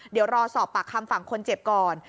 เดี๋ยวรอสอบปากคำฝั่งคนเจ็บก่อน